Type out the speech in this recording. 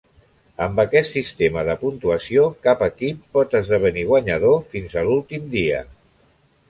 Amb aquest sistema de puntuació, cap equip pot esdevenir guanyador fins a l'últim dia.